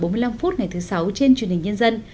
năm h bốn mươi năm phút ngày thứ sáu trên chủ nhật nhân dân